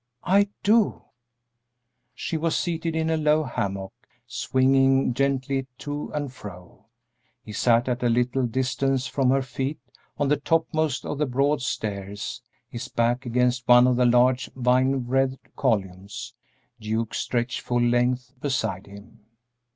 "I do." She was seated in a low hammock, swinging gently to and fro. He sat at a little distance from her feet, on the topmost of the broad stairs, his back against one of the large, vine wreathed columns, Duke stretched full length beside him.